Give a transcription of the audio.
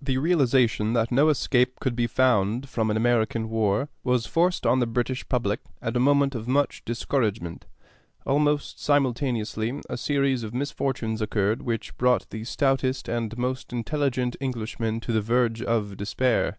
The realization that no escape could be found from an American war was forced on the British public at a moment of much discouragement. Almost simultaneously a series of misfortunes occurred which brought the stoutest and most intelligent Englishmen to the verge of despair.